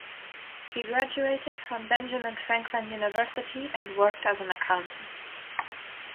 He graduated from Benjamin Franklin University and worked as an accountant.